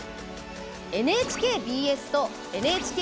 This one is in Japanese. ＮＨＫＢＳとＮＨＫＢＳ